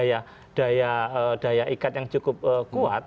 karena itu dia menggunakan daya ikat yang cukup kuat